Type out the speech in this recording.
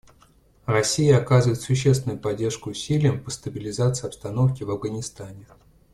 Россия оказывает существенную поддержку усилиям по стабилизации обстановки в Афганистане.